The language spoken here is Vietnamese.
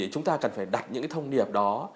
chúng ta cần phải đặt những thông điệp đó